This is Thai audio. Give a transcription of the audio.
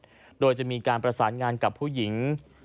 โดยจะมีการประสานงานกับผู้หญิง